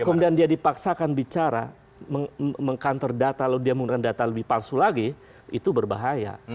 kalau kemudian dia dipaksakan bicara meng counter data lalu dia menggunakan data lebih palsu lagi itu berbahaya